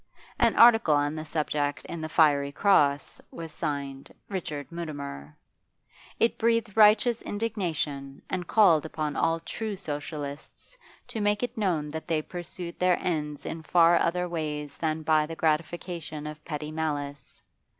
An article on the subject in the 'Fiery Cross' was signed 'Richard Mutimer.' It breathed righteous indignation and called upon all true Socialists to make it known that they pursued their ends in far other ways than by the gratification of petty malice.